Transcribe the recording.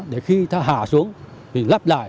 để khi hạ xuống thì lắp lại